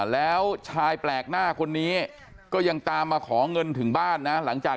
แล้วชายแปลกหน้าคนนี้ก็ยังตามมาขอเงินถึงบ้านนะหลังจาก